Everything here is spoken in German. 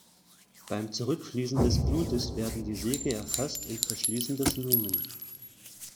Beim Zurückfließen des Blutes werden die Segel erfasst und verschließen das Lumen.